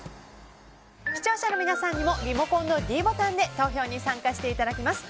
視聴者の皆さんにもリモコンのｄボタンで投票に参加していただきます。